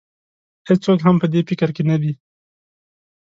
هېڅوک هم په دې فکر کې نه دی.